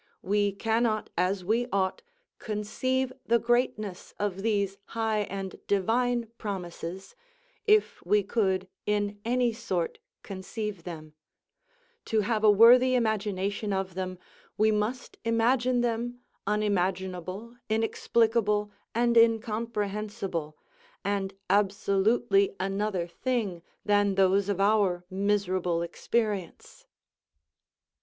We cannot as we ought conceive the greatness of these high and divine promises, if we could in any sort conceive them; to have a worthy imagination of them we must imagine them unimaginable, inexplicable, and incomprehensible, and absolutely another thing than those of our miserable experience."